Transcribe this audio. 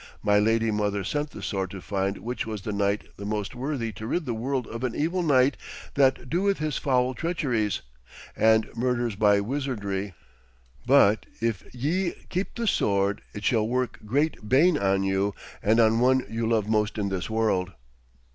'My lady mother sent the sword to find which was the knight the most worthy to rid the world of an evil knight that doeth his foul treacheries and murders by wizardry, but if ye keep the sword it shall work great bane on you and on one you love most in this world.'